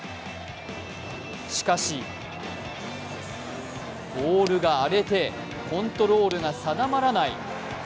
しかし、ボールが荒れてコントロールが定まらない。